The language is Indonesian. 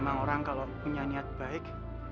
memang orang kalau punya niat baik